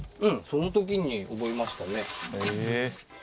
その時に覚えましたね。